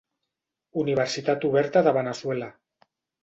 Universitat oberta de Veneçuela.